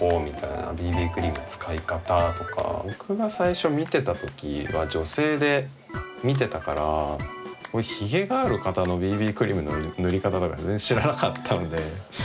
クリーム使い方とか僕が最初見てたときは女性で見てたからひげがある方のＢＢクリームの塗り方とか全然知らなかったので。